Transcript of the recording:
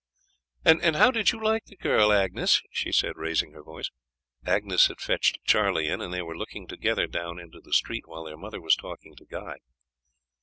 "And how did you like the girl, Agnes?" she said, raising her voice. Agnes had fetched Charlie in, and they were looking together down into the street while their mother was talking to Guy.